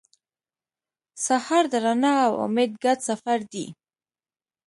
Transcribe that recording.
سهار د رڼا او امید ګډ سفر دی.